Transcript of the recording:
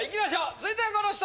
続いてはこの人。